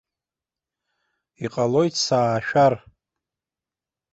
Иҟалоит саашәар.